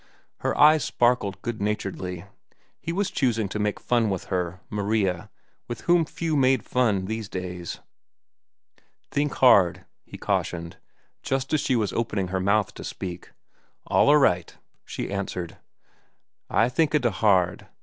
Her eyes sparkled good naturedly. He was choosing to make fun with her, Maria, with whom few made fun these days. "Think hard," he cautioned, just as she was opening her mouth to speak. "Alla right," she answered. "I thinka da hard.